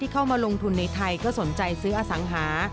เข้ามาลงทุนในไทยก็สนใจซื้ออสังหา